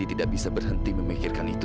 tidak ada pengertian seseorang